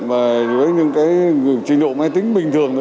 với những trình độ máy tính bình thường